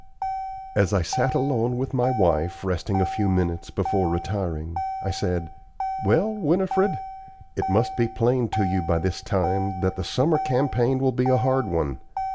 As I sat alone with my wife, resting a few minutes before retiring, I said: "Well, Winifred, it must be plain to you by this time that the summer campaign will be a hard one.